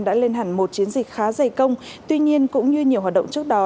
đã lên hẳn một chiến dịch khá dày công tuy nhiên cũng như nhiều hoạt động trước đó